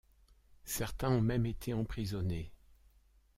Certains ont même été emprisonnés.